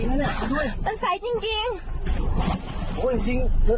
เอ้ยมันคำเหลือแล้ว